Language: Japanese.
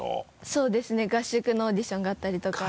そうですね合宿のオーディションがあったりとか。